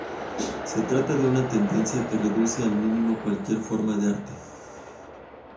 Se trata de una tendencia que reduce al mínimo cualquier forma de arte.